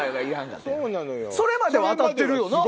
それまでは当たってるよな。